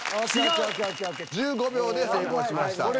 １５秒で成功しました。